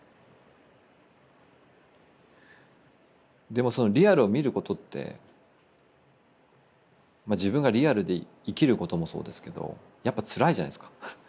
でもそのリアルを見ることって自分がリアルで生きることもそうですけどやっぱつらいじゃないっすか。